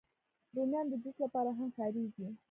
رومیان د جوس لپاره هم کارېږي